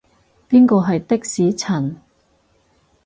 邊個係的士陳？